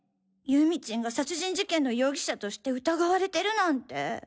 祐美チンが殺人事件の容疑者として疑われてるなんて。